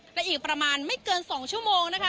และอีกประมาณไม่เกิน๒ชั่วโมงนะคะ